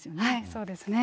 そうですね。